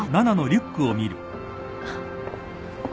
あっ。